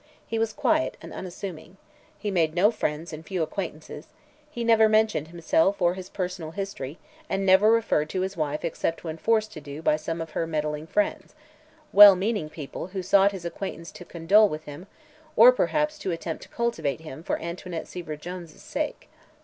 He was quiet and unassuming; he made no friends and few acquaintances; he never mentioned himself or his personal history and never referred to his wife except when forced to do so by some of "her meddling friends" well meaning people who sought his acquaintance to condole with him or perhaps to attempt to "cultivate" him for Antoinette Seaver Jones' sake.